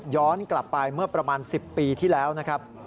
กลับไปเมื่อประมาณ๑๐ปีที่แล้วนะครับ